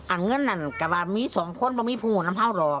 อันเงินนั้นก็ว่ามีสองคนไม่มีผู้หวัดน้ำห้าหรอก